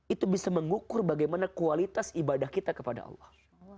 itu bisa mengukur bagaimana kualitas ibadah kita kepada allah